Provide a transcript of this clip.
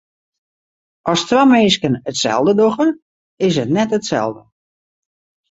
As twa minsken itselde dogge, is it net itselde.